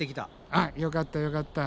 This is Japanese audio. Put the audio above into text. あっよかったよかった。